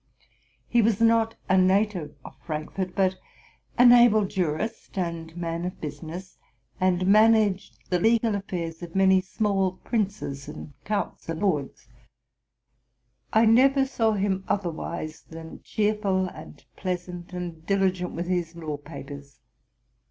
He was not a native of Frankfort, but an able jurist and man of business, and managed the legal affairs of many small princes, counts, and lords. I never saw him otherwise than cheerful and pleasant, and diligent with his law papers.